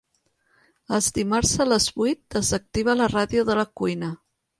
Els dimarts a les vuit desactiva la ràdio de la cuina.